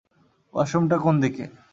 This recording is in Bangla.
ওয়াশরুমটা কোন দিকে?